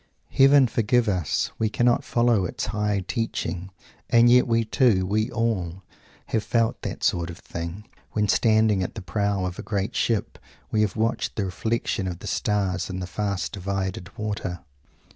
Heaven forgive us we cannot follow its high teaching and yet we too, we all, have felt that sort of thing, when standing at the prow of a great ship we have watched the reflection of the stars in the fast divided water.